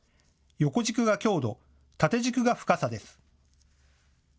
横軸が強度、縦軸が深さです。